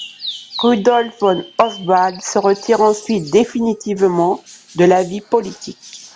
Rudolf von Auerswald se retire ensuite définitivement de la vie politique.